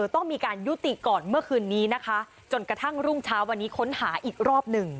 ต้องมีการยุติก่อนเมื่อคืนนี้นะคะจนกระทั่งรุ่งเช้าวันนี้ค้นหาอีกรอบหนึ่ง